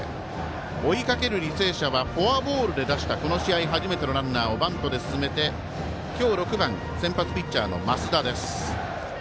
追いかける履正社はフォアボールで出したこの試合初めてのランナーをバントで進めて今日６番、先発ピッチャーの増田。